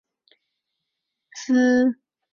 地址窗口通常盖有透明薄片保护。